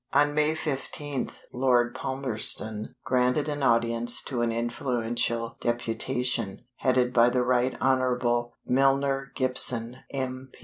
On May 15th, Lord Palmerston granted an audience to an influential deputation, headed by the Right Honorable Milner Gibson, M.